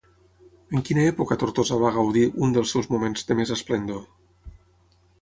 En quina època Tortosa va gaudir un dels seus moments de més esplendor?